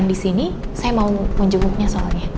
yang disini saya mau menjemputnya soalnya